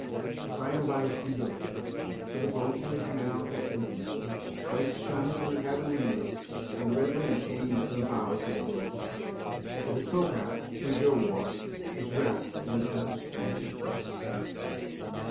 By and by it grew dark, but the boats in the canal kept moving. Lights shone from the cabin windows, and red lamps gleamed from the bows of the boats; but the tow path, where Joe walked, was wrapped in the deepest gloom.